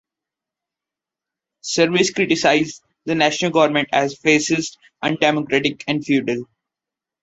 Service criticized the Nationalist government as "fascist," "undemocratic," and "feudal.